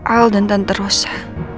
al dan tante rosa